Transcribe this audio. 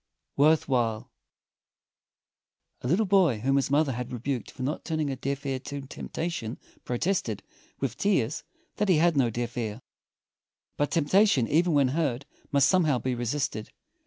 _ WORTH WHILE A little boy whom his mother had rebuked for not turning a deaf ear to temptation protested, with tears, that he had no deaf ear. But temptation, even when heard, must somehow be resisted.